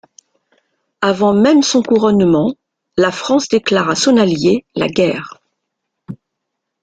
Avant même son couronnement, la France déclare à son alliée la guerre.